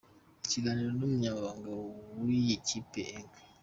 Mu kiganiro n’Umunyamabanga w’iyi kipe, Eng.